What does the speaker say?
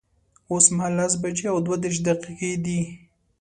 اوس مهال لس بجي او دوه دیرش دقیقی دی